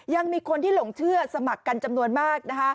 ยังมีคนที่หลงเชื่อสมัครกันจำนวนมาก